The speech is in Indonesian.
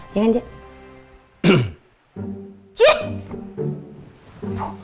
iya ga tergantung dari muka